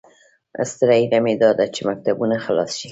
ستره هیله مې داده چې مکتبونه خلاص شي